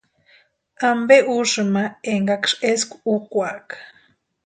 ¿Ampe úsïni ma enkaksï eskwa úkwaaka?